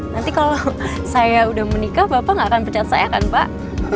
nanti kalau saya udah menikah bapak nggak akan pecat saya kan pak